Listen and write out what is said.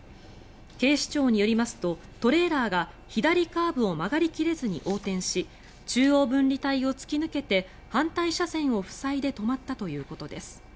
警視庁によりますとトレーラーが左カーブを曲がり切れずに横転し中央分離帯を突き抜けて反対車線を塞いで止まったということです。